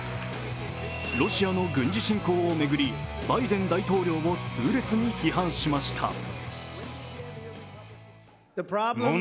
ロシアの軍事侵攻を巡りバイデン大統領を痛烈に批判しました。